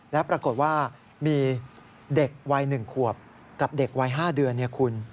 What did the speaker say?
และปรากฏว่ามีเด็กวัย๑ขวบกับเด็กวัย๕เดือนเนี่ยคุณ